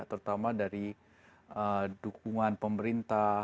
terutama dari dukungan pemerintah